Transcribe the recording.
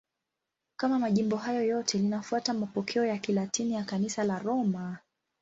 Kama majimbo hayo yote, linafuata mapokeo ya Kilatini ya Kanisa la Roma.